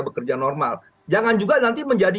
bekerja normal jangan juga nanti menjadi